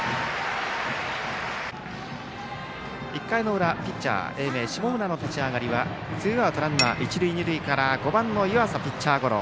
１回の裏、ピッチャー英明、下村の立ち上がりはツーアウトランナー、一塁二塁から５番の湯浅、ピッチャーゴロ。